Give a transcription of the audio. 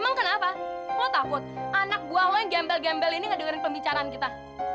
emang kenapa lo takut anak gua lo yang gembel gembel ini gak dengerin pembicaraan kita